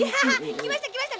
きましたきました！